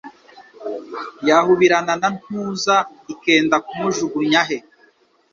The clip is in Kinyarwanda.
Yahubirana na Ntuza, Ikenda kumujugunya he,